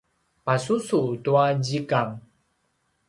pasusu tua zikang